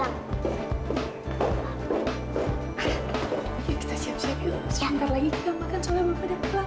ayo kita siap siap yuk sebentar lagi kita makan soalnya bapak udah pulang